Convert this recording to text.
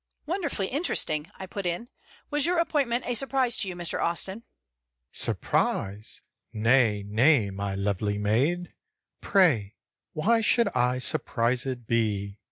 "Wonderfully interesting," I put in. "Was your appointment a surprise to you, Mr. Austin?" "Surprise? Nay, nay, my lovely maid. Pray why should I surpriséd be?